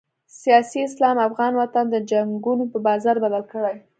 سیاسي اسلام افغان وطن د جنګونو په بازار بدل کړی.